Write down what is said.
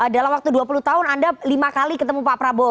dalam waktu dua puluh tahun anda lima kali ketemu pak prabowo